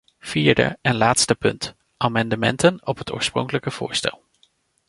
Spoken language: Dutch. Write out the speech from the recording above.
Vierde en laatste punt: amendementen op het oorspronkelijke voorstel.